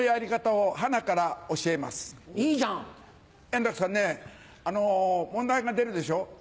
円楽さんね問題が出るでしょ。